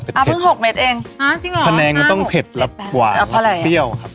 ภันแหนงมันต้องเผ็ดแล้วหวานแล้วเปรี้ยวครับ